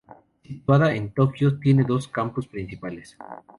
Situada en Tokio, tiene dos campus principales.